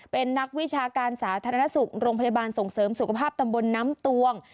เป็นนักวิชาการสาธารณสุขโรงพยาบาลส่งเสริมสุขภาพตำบลน้ำตวง